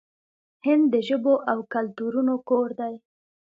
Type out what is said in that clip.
هند د ژبو او کلتورونو کور دی.